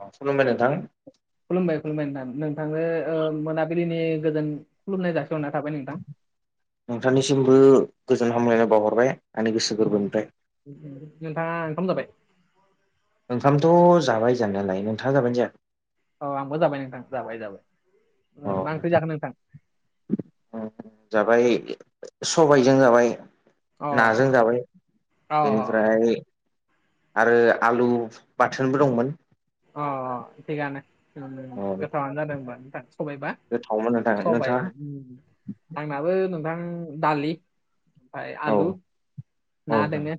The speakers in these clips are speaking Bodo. अ खुलुमबाय नोंथां। खुलुमबाय खुलुमबाय नोंथां नोंथांनो ओ मोनाबिलिनि गोजोन खुलुमनाय जासि दना थाबाय नोंथां। नोंथांनिसिमबो गोजोन हामलायनाय बावहरबाय आंनि गोसो गोरबोनिफ्राय। नोंथाङा ओंखाम जाबाय? ओंखामथ' जाबाय जानायालाय नोंथाङा जाबायना जाया? औ आंबो जाबाय नोंथां जाबाय जाबाय मा ओंख्रि जाखो नोंथां? जाबाय सबायजों जाबाय। अ नाजों जाबाय अ बेनिफ्राय आरो आलु बाथोनबो दंमोन। अ अ थिगानो। औ गोथावानो जादों होनबा नोंथां सबायबा गोथावमोन नोंथां सबाइ नोंथाङा आंनाबो नोंथां दालि फाय औ आलु औ ना नोंथां दोङो।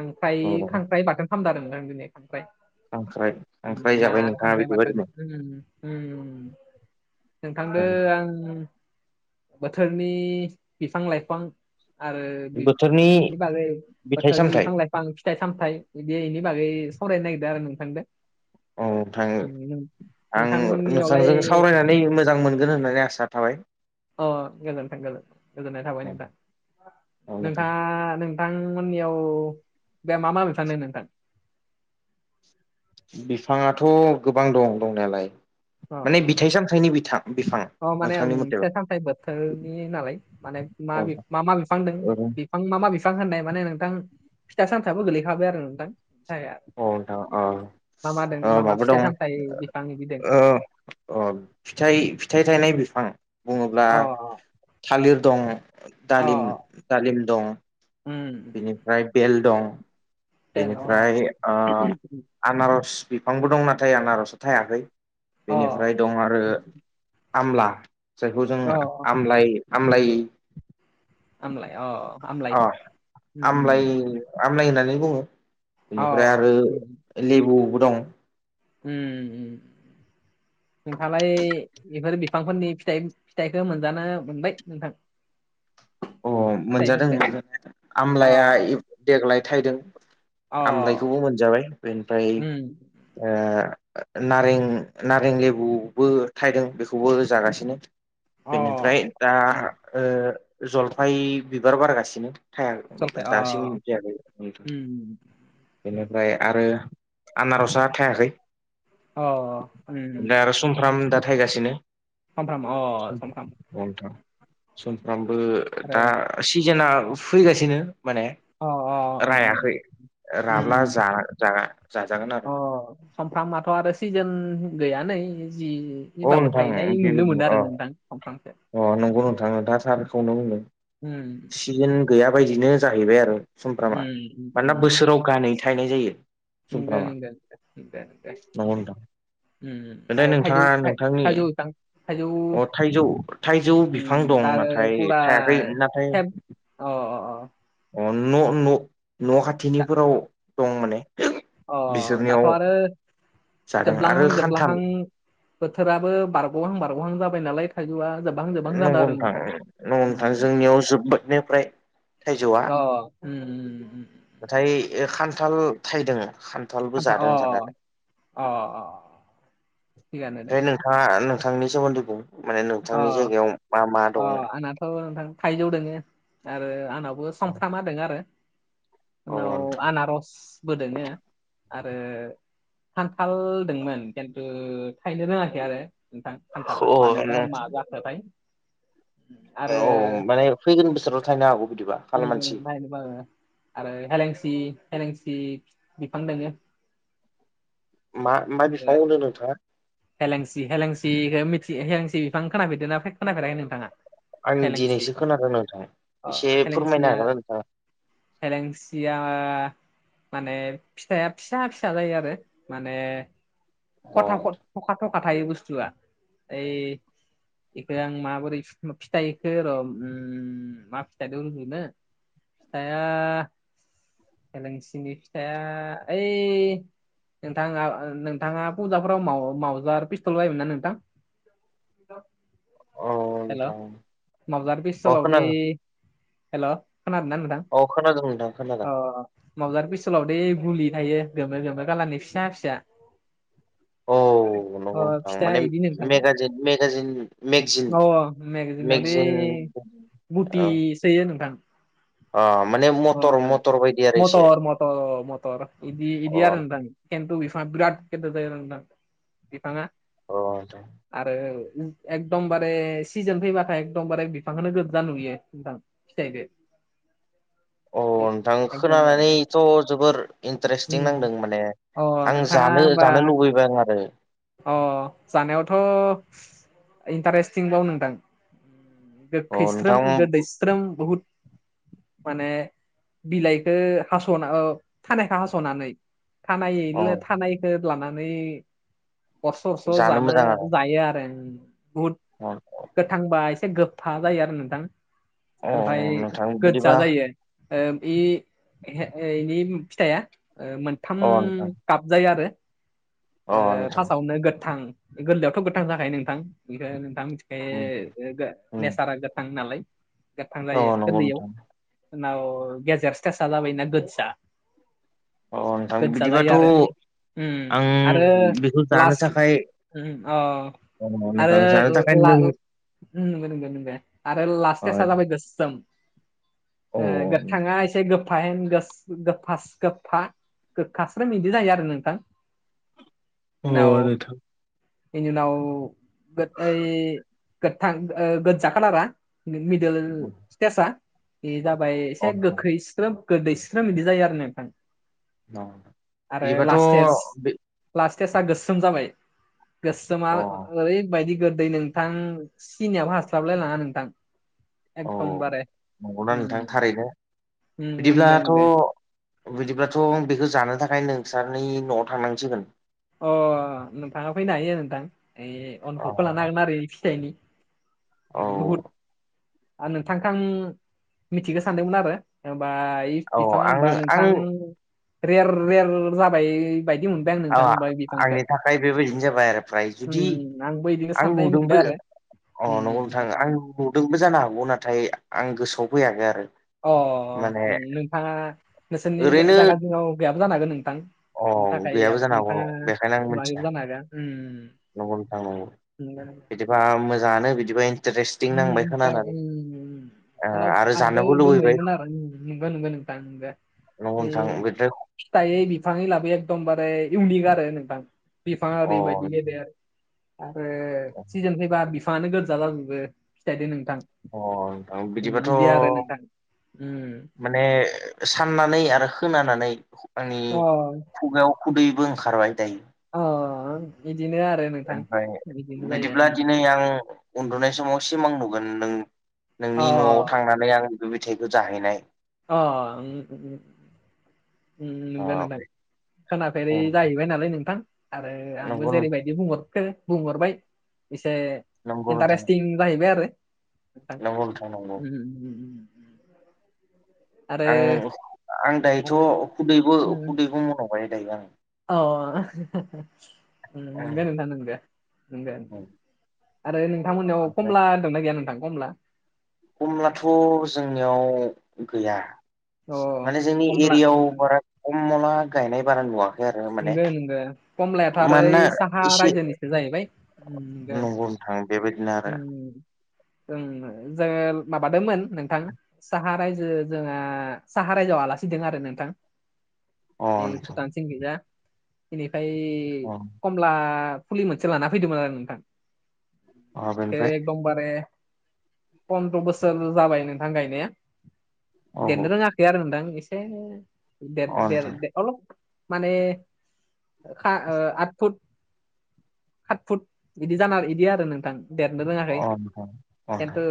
खांख्राइ औ औ खांख्राइ बाथोन खालादों आरो नोंथां दिनै खांख्राइ। खांख्राइ। खांख्राइ ना जाबाय नोंथाङा खांख्राइ बाथोन बिदिबायदिनो उम उम। नोंथांदो आं बोथोरनि बिफां लाइफां आरो बि बोथोरनि बिनि बागै फिथाइ बोथोरनि सामथाइ बिफां लाइफां फां फिथाइ सामथाय बिदिनि बागै सावरायनो नागिरदों आरो नोंथांदो। औ नोंथां नों आं नोंथांमोननियावलाय नोंथांजों सावरायनानै नै मोजां मोनगोन होननानै आसा थाबाय। अ गोजोन्थों गोजोन्थों गोजोननाय थाबाय नोंथां औ नोंथां नोंथाङा नों थांमोननियाव बे मा मा बे साननो नोंथां? बिफाङाथ' गोबां दं दंनायालाय। अ माने फिथाइ सामथाइनि बिथां बिफां अ माने आं नोंथांनि मथेबा फिथाइ- सामथाइ बोथोरनि नालाय माने औ माबि नोंथां मा मा बिफां दों? औ आं मा मा बिफां होननाय माने नोंथां फिथा सामथायाबो गोलैखाबाय आरो नोंथां। थाया नोंथां औ मा मा दों ओ मा मा माबा फिथाइ दं सामथाइ बिफांनि बिदों? ओ अ फिथाइ फिथाइ थायनाय बिफां। बुङोब्ला थालिर दं दालिम दालिम दं। उम बेनिफ्राय बेल दं बेनिफ्राय ओ आनारस बिफांबो दं नाथाय आनारसाआ थायाखै बेनिफ्राय दं आरो आमला जायखौ जों आमलाय -आमलाय आमलाय अ अ आमलाय -आमलाय होननानै बुङो बेनिफ्राय आरो लेबुबो दं उम्म नोंथाङालाय बेफोर बिफांफोरनि फिथाइ- फिथाइखौ मोनजानो मोनबाय नोंथां [unintelligible] अ मोनजादों फिथाइफोरखौ आमलाया अ देग्लाय थायदों। अ आमलायखौबो मोनजाबाय बेनिफ्राय उम ओ नारें नारें लेबुबो थायदों बेखौबो जागासिनो। अ बेनिफ्राय दा उम ओ जलफाय बिबार बारगासिनो। था जलफाय दासिम अ जायाखै। उम बेनिफ्राय आरो आनारसआ थायाखै। अ उम-उम ओमफ्राय आरो सुमफ्राम दा थायगासिनो। समब्राम अ समफ्राम। अ नोंथां समफ्रामबो आरो दा सिजोनआ फैगासिनो माने। अ अ रायाखै राब्ला उम जा -जा जाजागोन आरो समामफ्रामाथ' आरो सिजोन गैय नै जि अ एबाबो नोंथां थाहैनाय नुनो बेबायदिनो मोनो अ आरो नोंथां दंफांसो अ नंगौ नोंथाङोथा सारखौनो बुंदों उम सिजोन गैया बायदिनो जाहैबाय आरो समफ्रामा उम उम मानोना उम बोसोराव गानै थाहैनाय जायो नंगौ सुमफ्रामा नंगौगग आरो ना थाइजौ थाइ- नोंथांनि थाइजौ बिफां थाइजौ अ थजौ थाइजौ बिफां उम दा दं नाथाय फुरा थायाखै नाथाय फेब [unintelligible] अ अ-अ अ न' न न' दा- खाथिनिफोराव दं माने अ बिसोरनियाव दाख' आरो जादों आरो जोबलांहां खान्थाल जोबलांहां बोथोराबो बारग'हां बारग'हां जाबाय नालाय थाइजौआ जोबहां जोबहां जादों नंगौ आरो नोंथां नंगौ नोंथां जोंनियाव जोब्बायनो फ्राय थाइजौआ औ नाथाय खान्थाल थाइदों खथालबो खान्थाल जादों जानायालाय अ अ अ थिगानो दों ओमफ्राय नों [unintelligible] नोंथांनि सोमोन्दै बुं माने नोंथांनि अ जायगायाव मा मा अ दं आंनाथ' नोंथां थाइजौ दोङो आरो आंनावबो संफ्रामा द आरो अ उनाव नोंथां आनारसबो दोङो आरो खान्थाल दंमोन खिन्थु थाहायनो रोङाखै आरो नोंथां फानथाला मानोबा मा जाखोथाय आरो औ माने फैगोन बोसोरावल' थाहैनो हागौ बिदिबा उम खा मानसि नायनोबो आरो हेलेंसि हेलेंसि बिफां दोङो मा म आरो बिफांवदों नोंथा हेलेंसि हेलेंसिखौ मि हेलेंसि बिफां खोनाफेरददोंनाा खोनाफेराखै नोंथाङा आं हेलेंसि दिनैसो खोनादों नोंथाङा अ एसे फोरमायनो हेलेंसिया हागोन नोंथाङा हेलेंसिया माने फिथाइया फिसा फिसा जायो आरो माने अ खथा खथ थखा थखा थायो बस्थुआ बेखौ आं माबोरै फिथाइखौ र' मा फिथाइ रुहुनो। फिथाइआ जेलें सिनि फिथाइआ ओइ नोंथाङा नोंथाङा फुजाफोराव माव-मावजार पिस्थल बायोमोन ना नोंथां? औ हेल' नोंथां मावजार अ पिस्थलावदि खोनादों हेल' खोनादों ना नोंथां? अ खोनादों नोंथां अ खोनादों। मावजार पिस्थलावदे गुलि थायो गोमो गोमो खालारनि फिसा फिसा। औ अ नंगौ नोंथां फिथा माने इदि नोंथां। मेगाजिन मेगाजिन मेगजिन अ मेगाजिनाव दे मेगजिन बुटि औ सोयो नोंथां। अ माने अ मटर मटर बायदि आरो एसे मतर मत-मतर इदि अ इयारां खन्थु बिफांङा बिराद बिफांङा औ दे आरो एकदमबारे सिजोन फैबाथाय एखदमबारे बिफांखौो गोजा नुयो नोंथां [unintelligible] अ नोंथां एकदमबारे खोनानानैथ' जोबोर इन्टारेस्टिं उम नांदों माने अ आं नोंथाङा जानो होमबा जानो लुबैबाय आं आरो अ जानायावथ' इन्टारेस्टिंबाव नोंदां अ गखस्रोम नोंथां गदस्रोम बहुद माने बिलाइखो हास'ना अ थानायखौ हास'नानै अ थानायलो थानायखो लानानै अर्स अर्स जानो मोजां आरो जायो आरो बुत [inaudible] गोथांबा एसे गोफा जायो आरो नोंथां अ ओमफाय नोंथां गोजा बिदिबा जायो। ओ इ हे इ फिथाइया ओ मोनथाम अ नोंथां गाब जाया आरो। अ ओ नोंथां फार्स्टआवनो गोदथां गोरलैयावथ' गोथां जाखायो नोंथां बेखौ नोंथां मिथि उम ए उम नेसारा गोथां नालाय गोथां अ जायो नंगौ गोरलैयाव। नोंथां [unintelligible] अ नोंथां गोदजा जायो बिदिबाथ' आरो उम आं आरो बेखौ जानो लास्ट थाखाय उम अ अ आरो नोंथां जानो थाखाय नों लाल उम [unintelligible] आरो लास्ट अ स्टेज आ जाबाय गोसोम। अ ओ गोदथाङा एसे गोफ फाहेम गोस गोफास गोफा गोखास्रोम इदि जायो आरो नोंथां। उनाव नोंथां इनि उनाव गोदै गोथां ओ गोजा खालारा मिडल अ स्टेज आ इ जाबाय एसे नोंथां गोखैस्रोम गोदैस्रोम बिदि जायो आरो नोंथां। आरो बिदिबाथ' लास्ट स्टेज बे लास्ट स्टेजआ गोसोम जाबाय अ गोसोमा ओरैबायदि गोदै नों थां सिनियाबो हास्लाबलाय लाङा नोंथां। औ एकदमबारे नंगौना नोंथां उम थारैनो बिदिब्लाथ' [unintelligible] बिदिब्लाथ' बेखौ जानो थाखाय नोंसारनि न'आव थांनांसिगोन। अ नोंथाङा फैनो हायो नोंथां यै अ अनुभबखौ लानो हागोन आरोै यै फिथाइनि। औ बहुत आं नोंथांखो आं मिथिगो सानदोंमोन आरो [unintelligible] औ बिफाङा आं होमबा आं नोंथां रेर रेर जाबाय बायदि मोनबाय आं। आ नोंथां होनबा बिफांखौ आंनि थाखाय बेबायदिनो जाबाय आरो फ्राय उम जुदि आंबो बिदिनो आं साननाय मोनबाय नुदोंबो आरो अ नंगौ नोंथां उम आं नुदोंबो जानो हागौ नाथाय आं गोसोआव फैयाखै आरो‌। अ नोंथाङा नोंसोरनि जा-जागा दिंवाव गैयाबो जानो हागोन नोंथां। बिनि अं थाखाय गैयाबो जानो हागौ नोंथाङा न' बेखायनो आं नुवाखैबो मिथिया जानो हागौ उम नोंनो थांनांगौ बिदि बा मोजाङानो बिदिबाय माबलाबबा ओ आरो आंबो जानोबो लुबैबाय गोमोयोमोन आरो नंगौ नंगौ नों थांगौ नगुसां बोदो फिथाइै बिफाङै लाबोयो एखदमबारे इउनिक आरो नोंथां। बिफां अ ओरैबायायदि गेदेर आरो अ सिजोन फैबा बिफाङानो गोजा जाजोबो फिथदो नोंथां नोंथां बिदिबाथ' मिदिया आरो नोंथां उम। माने साननानै आरो खानानै आंनि अ खुगायाव खुदैबो ओंखारबाय दायो अ इदिनो आरो। नोंथां ओमफ्राय बिदिनो जायो बिदिब्ला दिनै आं उन्दुनाय समाव सिमां नुगोन नों अ नोंनि न'आव थांनानै आं बे बिथाइखौ जाहैनाय। अ उम अ नंगौ नोंथां बे खोनाफेरै जाहैबाय नालाय नोंथां। आरो आंबो नंगौ नोंथां जेरैबायदि बुंहरफेर बुंहरबाय एसे नंगौ नोंथां इन्टारेस्टिं जाहैबाय आरो नंगौ नोंथां नंगौ [unintelligible] आरो आं आं आरो दायोथ' खुदैबो उम, खुदैबो मन'बाय दायो आं। अ उम आं नंगो नोंथां नंगो नंगो। आरो नोंथांमोननाव ओमफ्राय कमला दंना गैया नोंथां कमला? खमलाथ' जोंनियाव गैया अ माने जोंनि कमला एरियाव उम, बारा खम मला गायनाय बारा नुवाखै। आरो माने नंगौ नंगौ मानोना कमलायाथ'साहा एसे रायजोनिसो जाहैबाय नंगौ। ओं बेबायदिनो आरो। जोङो माबादोंमोन नोंथां। साहा रायजो जोंहा साहा रायजोआव आलासिदों आरो नोंथां। अ नोंथां भुतान सिं खैजा। बेनिफ्राय अ कमला फुलि मोनसे लाना फैदोंमोन आरो नोंथां। अ बेखौ बेनिफ्राय एकदमबारे पन्द्र' बोसोर जाबाय नोंथां गायनाया। औ देरनो रोङाखै आरो नोंथां एसे औ अ नोंथां देर-देर अलब माने खा आठ फुट सात फुट बिदि जाना बिदि आरो नोंथां। देरनो रोङाखै अ नोंथां अ खिन्थु नोंथां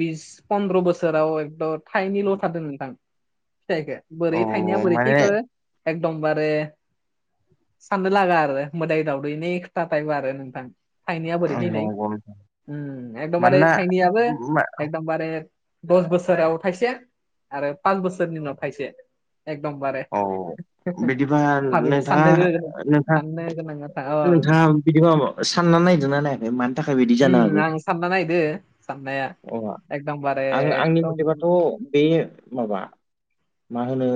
बिस फन्द्र' बोसोराव एकद' थाइनैल' होथारदों नोंथां फिथाइखो। औ बोरै थाइनाया बोरै माने थैखो एकदमबारे साननो लागा आरो मोदाय दावदैनि खोथा थायो आरो नोंथां। थाइनैया बोरै फैनाय नंगौ नोंथां एकदमबारे मानोना थाइनैयाबो एकदमबारे दस बोसोराव थाइसे आरो पास बोसोरनि उनाव थाइसे एकदमबारे औ बिदि हबा थाबैनो नोंथाङा साननो गोरों साननो नोंथाङा गोनां बाथ्रा अ नोंथाङा बिदिखौ ब सानना नायदोंना नायाखै मानि थाखाय बिदि जानो उम हागौ। आं सानना नायदो साननाया अह एकदमबारे आं-आंनि एकदम मथेबाथ' बे माबा मा होनो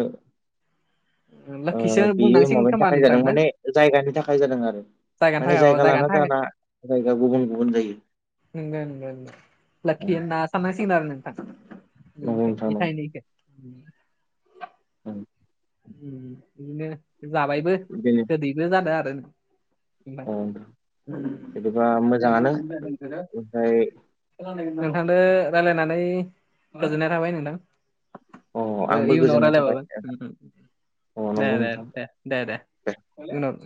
लोखिसो बेयो बुंनांसिगोन माबानि खोमा थाखाय नोंथां जादों ना माने जायगानि थाखाय जादों आरो। जायगानि माने थाखाय अ जायगा जायगानि लाना थाखाय जाना जायगा गुबुन गुबुन जायो। नंगो नंगो नंगो औ लाखि होनना साननां सिगोन आरो नोंथां नंगौ इनिखो नोंथां इ थायनैखो। उम। औ। बिदिनो जाबायबो गोदैबो जादों आरो नो अ बिदिबा मोजाङानो ओमफ्राय नोंथांनो राय्लायनानै गोजोननाय थाबाय नोंथां। अ आंबो इयुनाव गोजोननाय रायलाय थाबाय मावगोन। नोंथां। अ दे नंगौ दे नोंथां दे दे दे उनाव